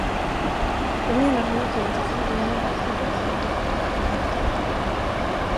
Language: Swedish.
Jag menade naturligtvis en ung och vacker dam, rättade redaktören.